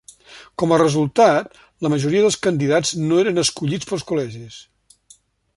Com a resultat, la majoria dels candidats no eren escollits pels col·legis.